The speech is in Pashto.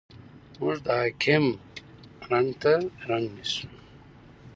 موږ د حاکم رنګ ته رنګ نیسو.